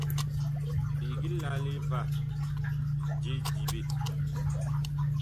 Biig lale va je diɓe.